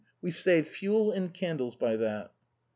We saved fuel and candles by that."